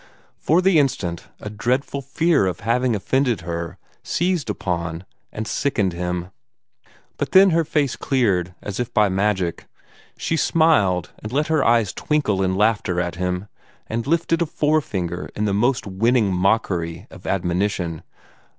For the instant, a dreadful fear of having offended her seized upon and sickened him. But then her face cleared, as by magic. She smiled, and let her eyes twinkle in laughter at him, and lifted a forefinger in the most winning mockery of admonition.